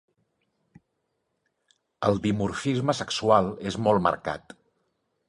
El dimorfisme sexual és molt marcat.